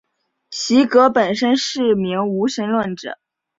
席格本身是名无神论者。